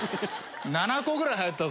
７個ぐらい入ったぞ？